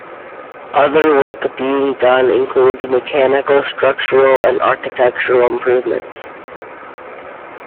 Other work being done includes mechanical, structural and architectural improvements.